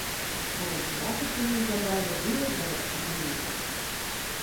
Побач з ратушай неўзабаве вырас гарадскі рынак.